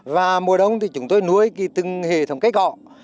và mùa đông thì chúng tôi nuôi từng hệ thống cây cỏ